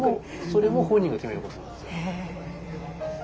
それも本人が決めることなんですよ。